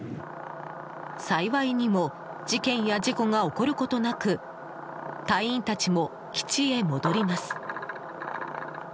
幸いにも事件や事故が起こることなく隊員たちも基地へ戻ります。